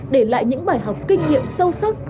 để lại những bài học kinh nghiệm sâu sắc